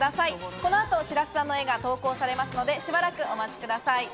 あの後、白洲さんの絵が投稿されますので、しばらくお待ちください。